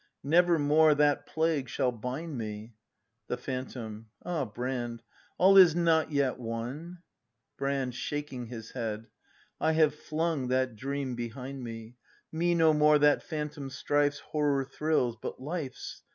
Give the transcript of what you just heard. Never more that plague shall bind me The Phantom. Ah, Brand, all is not yet won. Brand. [Shaking his head.] I have flung that dream behind me. Me no more that phantom strife's Horror thrills; — but Life's!